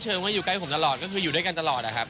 เพราะว่าเขาไม่เคยไปญี่ปุ่นอะไรอย่างนี้ครับ